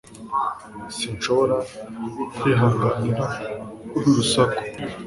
Sinshobora kwihanganira uru rusaku.